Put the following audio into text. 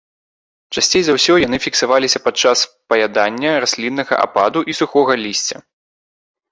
Часцей за ўсё яны фіксаваліся падчас паядання расліннага ападу і сухога лісця.